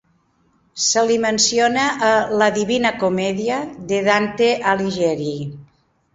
Se li menciona a "La divina comèdia" de Dante Alighieri.